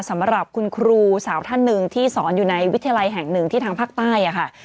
สำหรับคุณครูสาวท่านหนึ่งที่สอนอยู่ในวิทยาลัยแห่งหนึ่งที่ทางภาคใต้ค่ะ